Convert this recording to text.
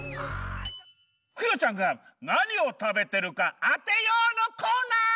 クヨちゃんがなにを食べてるかあてようのコーナー！